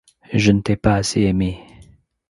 je ne t’ai pas assez aimée !